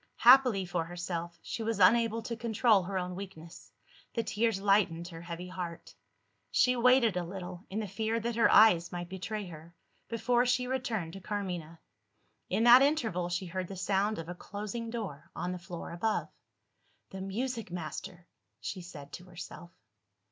Happily for herself, she was unable to control her own weakness; the tears lightened her heavy heart. She waited a little, in the fear that her eyes might betray her, before she returned to Carmina. In that interval, she heard the sound of a closing door, on the floor above. "The music master!" she said to herself.